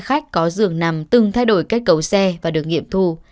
xe khách có dường nằm từng thay đổi kết cấu xe và được nghiệm thu